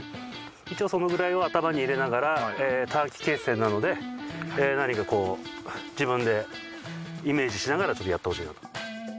一応そのくらいは頭に入れながら短期決戦なので何かこう自分でイメージしながらちょっとやってほしいなと。